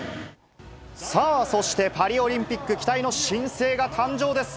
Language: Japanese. さあ、そしてパリオリンピック期待の新星が誕生です。